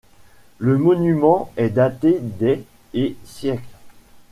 Le monument est daté des - et siècles.